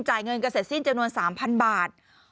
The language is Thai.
เงินกันเสร็จสิ้นจำนวน๓๐๐บาท